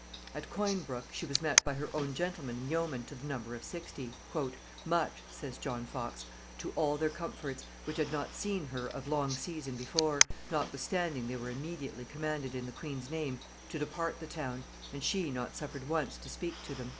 At Colnbrook she was met by her own gentlemen and yeomen to the number of sixty, "much," says John Fox, "to all their comforts, which had not seen her of long season before, notwithstanding they were immediately commanded in the queen's name to depart the town, and she not suffered once to speak to them."